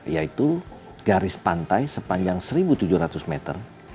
yaitu garis pantai sepanjang satu tujuh ratus meter